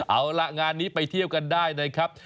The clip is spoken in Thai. เอาล่ะงานนี้ไปเที่ยวกันได้นะครับ